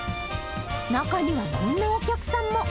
中にはこんなお客さんも。